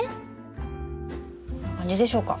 こんな感じでしょうか。